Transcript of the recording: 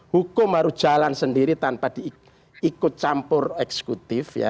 hukum harus jalan sendiri tanpa diikut campur eksekutif ya